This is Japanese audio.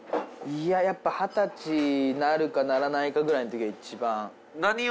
いややっぱ二十歳なるかならないかぐらいのときが一番。